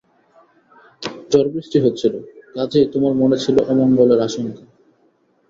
ঝড়বৃষ্টি হচ্ছিল, কাজেই তোমার মনে ছিল অমঙ্গলের আশঙ্কা।